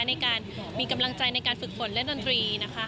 ในการมีกำลังใจในการฝึกฝนเล่นดนตรีนะคะ